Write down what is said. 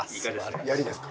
やりですか？